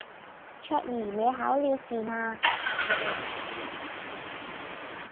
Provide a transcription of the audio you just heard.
卓怡你考了試嗎